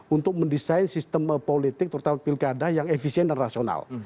untuk mendesain sistem politik terutama pilkada yang efisien dan rasional